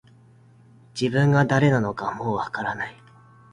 自分が誰なのかもう分からない